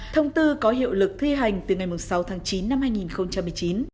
thông tư có hiệu lực thi hành từ ngày sáu tháng chín năm hai nghìn một mươi chín